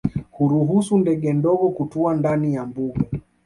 Huruhusu ndege ndogo kutua ndani ya mbuga